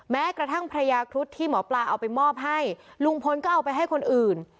แม้กระทั่งพระยาครุฑที่หมอปลาเอาไปมอบให้ลุงพลก็เอาไปให้คนอื่น